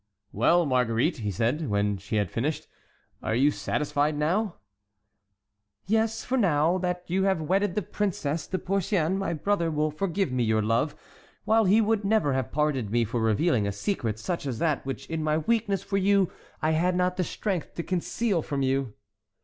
"Well, Marguerite," he said, when she had finished, "are you satisfied now?" "Yes, for now that you have wedded the Princesse de Porcian, my brother will forgive me your love; while he would never have pardoned me for revealing a secret such as that which in my weakness for you I had not the strength to conceal from you."